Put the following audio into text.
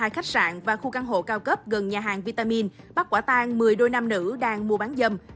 hai khách sạn và khu căn hộ cao cấp gần nhà hàng vitamin bắt quả tan một mươi đôi nam nữ đang mua bán dâm